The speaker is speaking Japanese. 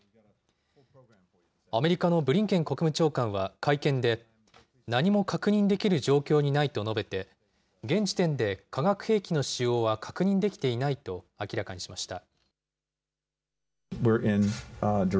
アメリカのブリンケン国務長官は会見で、何も確認できる状況にないと述べて、現時点で化学兵器の使用は確認できていないと明らかにしました。